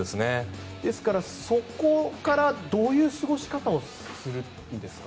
ですから、そこからどういう過ごし方をするんですか？